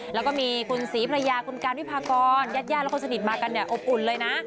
แล้วก็มีคุณศรีพระยาคุณการวิพากรญาติญาติและคนสนิทมากันเนี่ยอบอุ่นเลยนะ